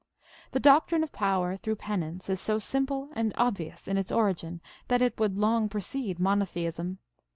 The doctrine of power through penance is so simple and obvious in its origin that ifc would long precede monotheism.